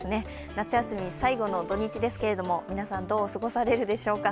夏休み最後土日ですけど、皆さん、どう過ごされるでしょうか。